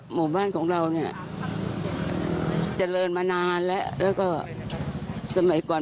หมู่บ้านของเราเนี่ยเจริญมานานแล้วแล้วก็สมัยก่อน